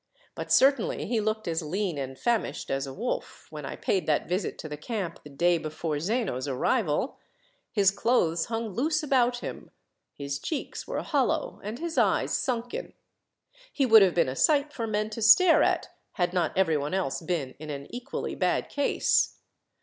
But certainly he looked as lean and famished as a wolf, when I paid that visit to the camp the day before Zeno's arrival. His clothes hung loose about him, his cheeks were hollow, and his eyes sunken. He would have been a sight for men to stare at, had not every one else been in an equally bad case.